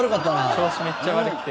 調子めっちゃ悪くて。